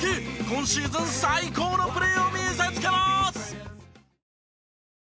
今シーズン最高のプレーを見せつけます！